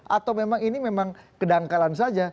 atau memang ini memang kedangkalan saja